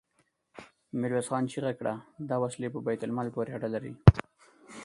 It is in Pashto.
ميرويس خان چيغه کړه! دا وسلې په بيت المال پورې اړه لري.